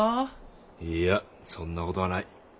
いやそんな事はない。